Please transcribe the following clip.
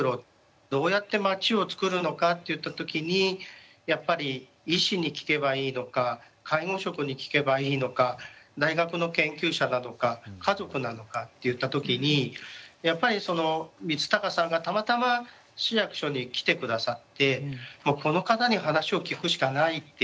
どうやって町をつくるのかっていった時にやっぱり医師に聞けばいいのか介護職に聞けばいいのか大学の研究者なのか家族なのかっていった時にやっぱりその光孝さんがたまたま市役所に来てくださってもうこの方に話を聞くしかないっていう。